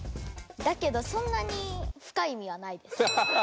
だけどそんなにふかいいみはないです。